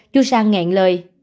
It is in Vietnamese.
chú sang ngẹn lời